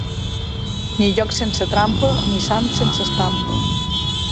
Ni joc sense trampa ni sant sense estampa.